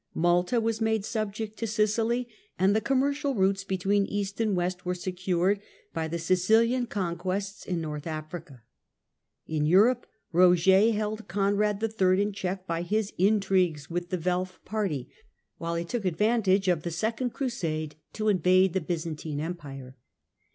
Malta was made subject to Sicily, and the commercial routes between East and West were secured by the Sicilian conquests in Northern Africa. In Europe Roger held Conrad III. in check by his intrigues with the Welf party, while he took advantage UNDER LOTHAIR II. AND CONRAD IIT. 129 of the Second Crusade to invade the Byzantine Empire.